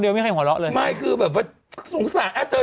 ใช่ผิดหัวเราะต่ำรวบก็ไม่ได้หรอก